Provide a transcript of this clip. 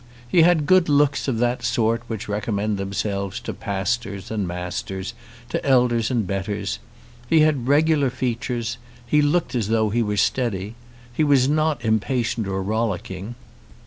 He had good looks of that sort which recommend themselves to pastors and masters, to elders and betters. He had regular features. He looked as though he were steady. He was not impatient nor rollicking.